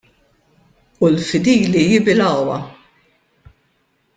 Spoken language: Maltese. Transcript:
U l-fidili jibilgħuha.